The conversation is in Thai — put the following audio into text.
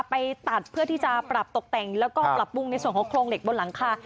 ไปตัดเพื่อที่จะปรับตกแต่งแล้วก็ปรับปรุงในส่วนของโครงเหล็กบนหลังคา